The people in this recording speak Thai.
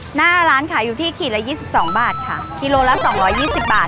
หน้าร้านขายอยู่ที่ขีดละยี่สิบสองบาทค่ะกิโลละสองร้อยยี่สิบบาท